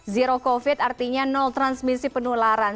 zero covid artinya no transmisi penularan